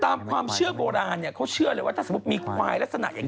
ตามความเชื่อโบราณเขาเชื่อเลยว่านะคะสมมติแต่ถ้ามีควายลักษณะแบบนี้